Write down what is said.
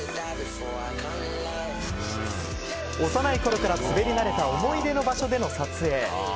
幼いころから滑り慣れた思い出の場所での撮影。